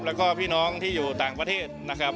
แล้วก็พี่น้องที่อยู่ต่างประเทศนะครับ